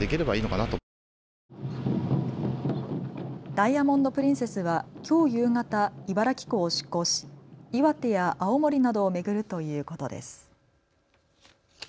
ダイヤモンド・プリンセスはきょう夕方、茨城港を出港し岩手や青森などを巡るということです。